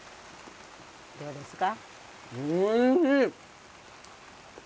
どうですか？